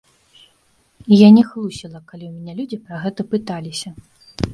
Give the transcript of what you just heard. І я не хлусіла, калі ў мяне людзі пра гэта пыталіся.